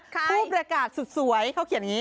ใครเขาเขียนอย่างงี้